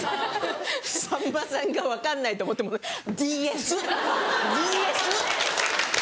さんまさんが分かんないと思ってもう「ＤＳＤＳ」。